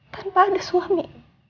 tanpa ada suami